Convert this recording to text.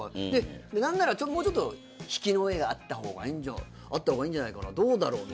何ならもうちょっと引きの絵があった方がいいんじゃないかなどうだろう？みたいな。